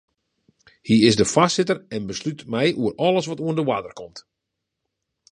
Hy is de foarsitter en beslút mei oer alles wat oan de oarder komt.